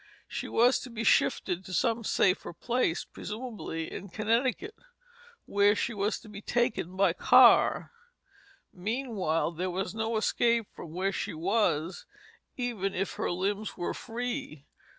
She was to be shifted to some safer place, presumably in Connecticut, where she was to be taken by car. Meanwhile, there was no escape from where she was, even if her limbs were free.